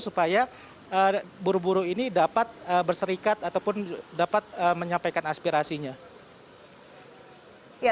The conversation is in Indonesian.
supaya buru buru ini dapat berserikat ataupun dapat menyampaikan aspirasinya